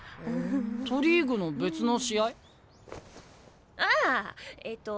都リーグの別の試合？ああえっと